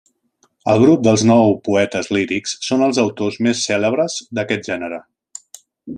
El grup dels nou poetes lírics són els autors més cèlebres d'aquest gènere.